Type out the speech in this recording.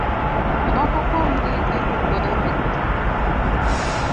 Moko kuomgi gin jokwoye mag mtokni,